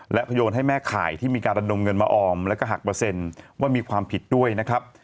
และพโยนให้แม่ข่ายที่มีการระดมเงินมาออมแล้วก็หักเปอร์เซ็นต์ว่ามีความผิดด้วยนะครับ